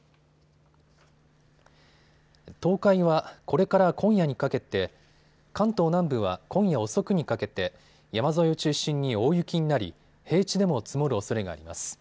東海はこれから今夜にかけて、関東南部は今夜遅くにかけて、山沿いを中心に大雪になり平地でも積もるおそれがあります。